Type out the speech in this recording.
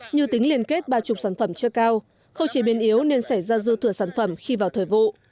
như tính liên kết ba mươi sản phẩm chưa cao khâu chế biến yếu nên xảy ra dư thừa sản phẩm khi vào thời vụ